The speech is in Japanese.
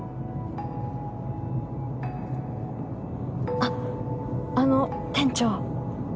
あっあの店長。